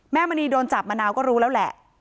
มณีโดนจับมะนาวก็รู้แล้วแหละ